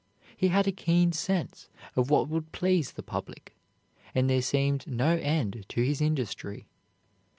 He had a keen sense of what would please the public, and there seemed no end to his industry.